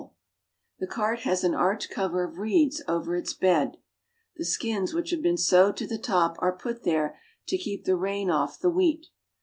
It has wheels eight feet in height." The cart has an arched cover of reeds over its bed. The skins which have been sewed to the top are put there to , keep the rain off the wheat.